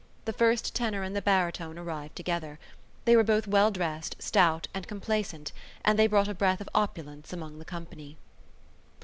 The first tenor and the baritone arrived together. They were both well dressed, stout and complacent and they brought a breath of opulence among the company.